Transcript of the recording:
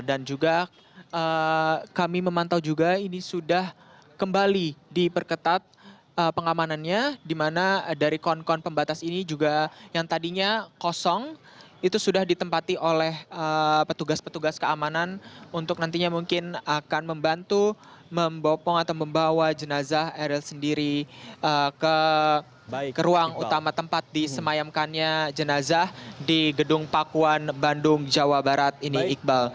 dan juga kami memantau juga ini sudah kembali di perketat pengamanannya dimana dari kon kon pembatas ini juga yang tadinya kosong itu sudah ditempati oleh petugas petugas keamanan untuk nantinya mungkin akan membantu membawa jenazah eril sendiri ke ruang utama tempat disemayamkannya jenazah di gedung pakuan bandung jawa barat ini iqbal